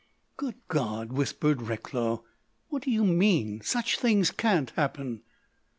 "Good God," whispered Recklow, "what do you mean? Such things can't happen."